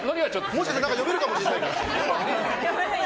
もしかしたら読めるかもしれないから。